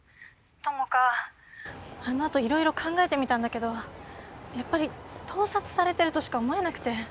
朋香あの後色々考えてみたんだけどやっぱり盗撮されてるとしか思えなくて。